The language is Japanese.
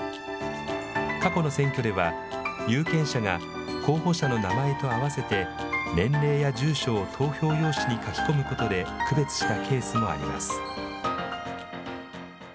過去の選挙では、有権者が候補者の名前とあわせて年齢や住所を投票用紙に書き込むことで、区別したケースもあります。